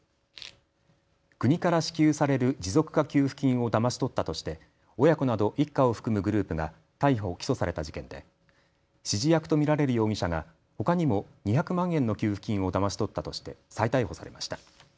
国から支給される持続化給付金をだまし取ったとして親子など一家を含むグループが逮捕・起訴された事件で指示役と見られる容疑者がほかにも２００万円の給付金をだまし取ったとして再逮捕されました。